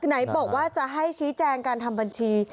ไหนบอกว่าจะให้ชี้แจงการทำบัญชี